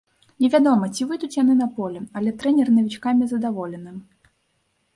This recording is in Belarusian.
Невядома, ці выйдуць яны на поле, але трэнер навічкамі задаволены.